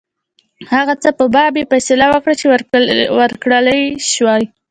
د هغه څه په باب یې فیصله وکړه چې ورکولای یې شوای.